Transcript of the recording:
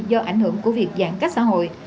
do ảnh hưởng của việc giãn cách xã hội